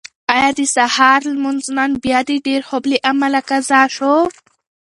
ایا د سهار لمونځ نن بیا د ډېر خوب له امله قضا شو؟